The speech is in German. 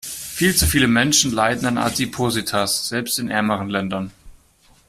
Viel zu viele Menschen leiden an Adipositas, selbst in ärmeren Ländern.